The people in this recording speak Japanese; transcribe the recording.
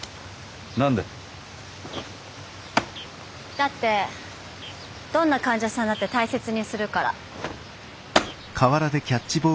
だってどんな患者さんだって大切にするから。